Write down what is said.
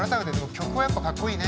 曲はかっこいいね